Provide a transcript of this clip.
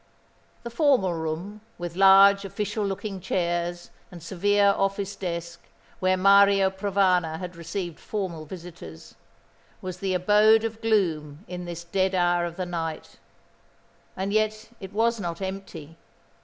The formal room, with large, official looking chairs and severe office desk, where Mario Provana had received formal visitors, was the abode of gloom in this dead hour of the night: and yet it was not empty.